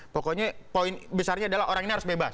pokoknya poin besarnya adalah orang ini harus bebas